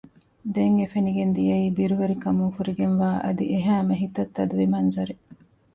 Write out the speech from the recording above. ދެން އެ ފެނިގެން ދިޔައީ ބިރުވެރިކަމުން ފުރިގެންވާ އަދި އެހައިމެ ހިތަށް ތަދުވި މަންޒަރެއް